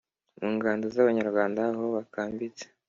mungando zabanyarwanda aho bakambitse